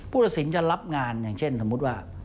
พุทธศิลป์จะรับงานอย่างเช่นสมมติว่า